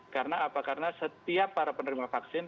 karena setiap para penerima vaksin